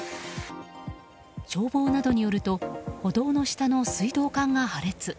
消防などによると歩道の下の水道管が破裂。